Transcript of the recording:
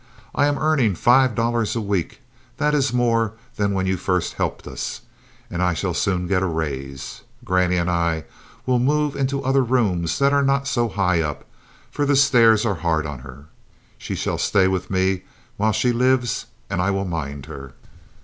I am earning five dollars a week; that is more than when you first helped us, and I shall soon get a raise. Grannie and I will move into other rooms that are not so high up, for the stairs are hard on her. She shall stay with me while she lives and I will mind her."